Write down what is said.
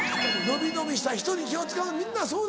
伸び伸びした人に気を使うみんなそうだ。